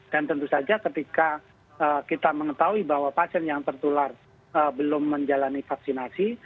tentu saja ketika kita mengetahui bahwa pasien yang tertular belum menjalani vaksinasi